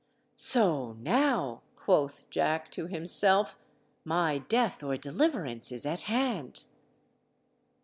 "So now," quoth Jack to himself, "my death or deliverance is at hand."